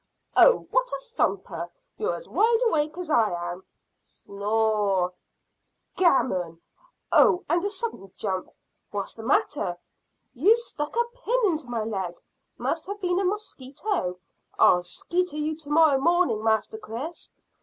"Oh, what a thumper! You're as wide awake as I am." S n n o r r r e! "Gammon!" "Oh!" and a sudden jump. "What's the matter?" "You stuck a pin into my leg." "Must have been a mosquito." "I'll skeeter you to morrow morning, Master Chris!"